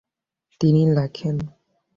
তিনি লেখেন